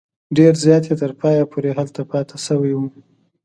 ډېر زیات یې تر پایه پورې هلته پاته شوي وي.